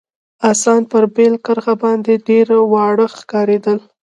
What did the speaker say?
اسان پر پیل کرښه باندي ډېر واړه ښکارېدل.